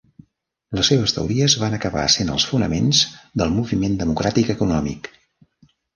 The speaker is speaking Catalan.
Les seves teories van acabar sent els fonaments del moviment democràtic econòmic.